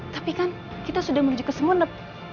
tapi kan kita sudah menuju kesemunep